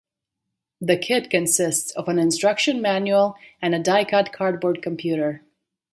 The kit consists of an instruction manual and a die-cut cardboard "computer".